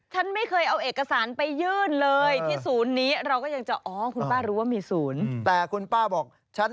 ฉันไม่เคยเอาเอกสารไปยื่นเลย